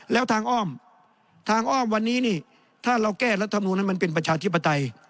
แล้วทางอ้อมทางอ้อมวันนี้นี่ถ้าเราแก้รัฐมนูลนั้นมันเป็นประชาธิปไตย